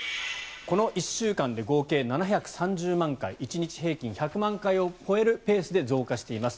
この１週間で合計７３０万回１日平均１００万回を超えるペースで増加しています。